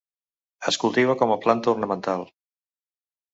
Es cultiva com a planta ornamental.